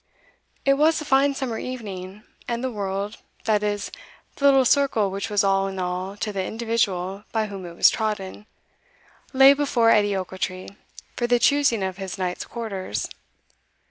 It was a fine summer evening, and the world that is, the little circle which was all in all to the individual by whom it was trodden, lay before Edie Ochiltree, for the choosing of his night's quarters.